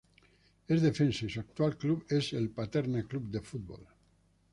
Es defensa y su actual club es el Paterna Club de Fútbol.